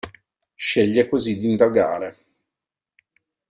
Sceglie così di indagare.